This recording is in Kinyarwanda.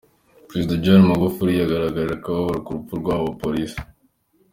Prezida John Magufuli yagaragaje akababaro ku rupfu rwabo bapolisi.